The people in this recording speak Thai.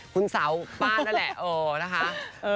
คุณสาวป้านั่นแหละนะคะ